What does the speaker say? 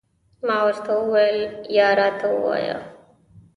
ما ورته وویل، یا راته ووایه.